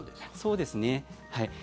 そうですね。